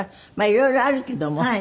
色々あるけども。